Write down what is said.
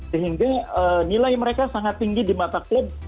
sehingga nilai dia sangat tinggi di mata klub